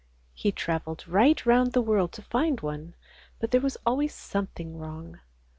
He travelled right round the world to find one, but there was always something wrong.